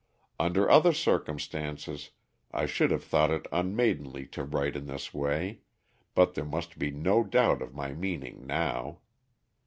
"Under other circumstances I should have thought it unmaidenly to write in this way, but there must be no doubt of my meaning now.